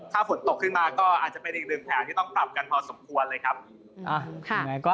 ถ้าฝนตกขึ้นมาก็อาจจะเป็นอีกหนึ่งแผนที่ต้องปรับกันพอสมควรเลยครับ